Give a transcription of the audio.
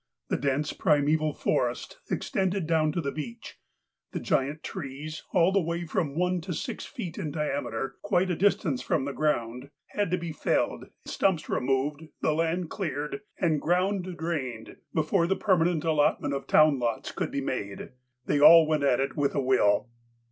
The dense, primeval forest extended down to the beach. The giant trees, all the way from one to six feet in diameter, quite a dis tance from the ground, had to be felled, the stumi)s re moved, the land cleared, and the ground drained, before the permanent allotment of town lots could be made. They all went at it with a will.